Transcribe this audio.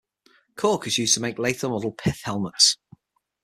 Cork is used to make later-model pith helmets.